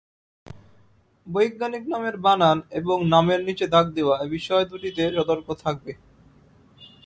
বৈজ্ঞানিক নামের বানান এবং নামের নিচে দাগ দেওয়া—এ বিষয় দুটিতে সতর্ক থাকবে।